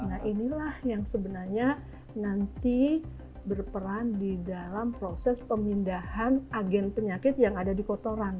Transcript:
nah inilah yang sebenarnya nanti berperan di dalam proses pemindahan agen penyakit yang ada di kotoran